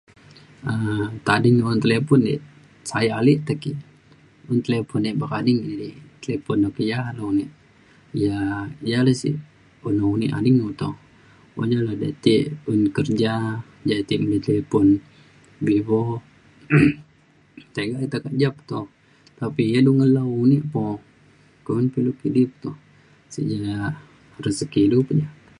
Aak tading un telepon ek sa'e alek te kek un telepon yak bekadi telepon nokia lok un [unintelligible] ne sek [unintelligible] un kerja ina ake beli telepon vivo [unintelligible] rezeki ilou pe na